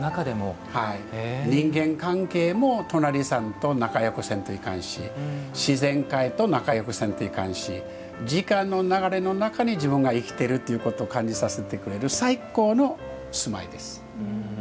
人間関係も隣さんと仲よくせんといかんし自然界と仲よくせんといかんし時間の流れの中に自分が生きてるということを感じさせてくれる最高の住まいです。